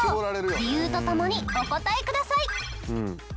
理由と共にお答えください！